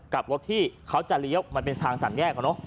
กับรถที่เขาจะเลี้ยวมันเป็นทางสามแยก